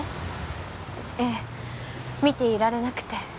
ええ見ていられなくて。